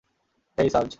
হেই, surge!